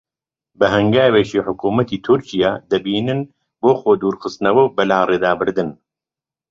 بە هەنگاوێکی حکوومەتی تورکیا دەبینن بۆ خۆدوورخستنەوە و بەلاڕێدابردن